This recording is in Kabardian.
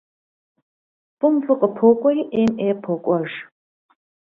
ФӀым фӀы къыпокӀуэри, Ӏейм Ӏей покӀуэж.